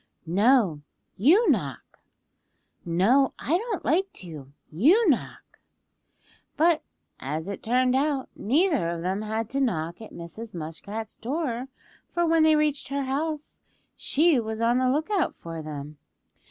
"No, you knock." "No, I don't like to; you knock." But as it turned out neither of them had to knock at Mrs. Muskrat's door, for when they reached her house she was on the lookout for them.